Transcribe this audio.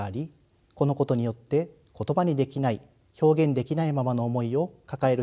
このことによって言葉にできない表現できないままの思いを抱える人がいます。